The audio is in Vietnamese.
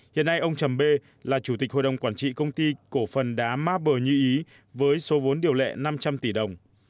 hiện nay ông trầm bê là chủ tịch hội đồng quản trị công ty cổ phần đá mapber như ý với số vốn điều lệ năm trăm linh tỷ đồng